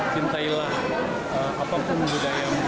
cintailah apapun budayamu